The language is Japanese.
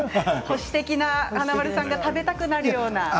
保守的な華丸さんが食べたくなるような。